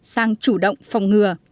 sang chủ động phòng ngừa